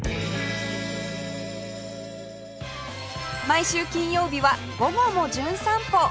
毎週金曜日は『午後もじゅん散歩』